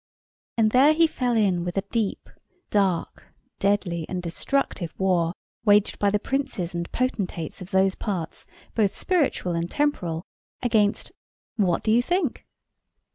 And there he fell in with a deep, dark, deadly, and destructive war, waged by the princes and potentates of those parts, both spiritual and temporal, against what do you think?